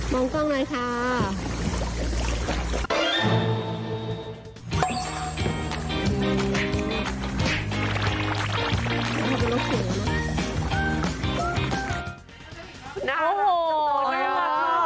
องกล้องหน่อยค่ะ